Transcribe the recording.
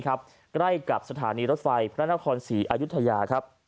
ใกล้กับสถานีรถไฟพระนครศรีอายุทยาครับ